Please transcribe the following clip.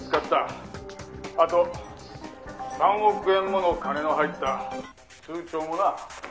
「あと３億円もの金の入った通帳もな」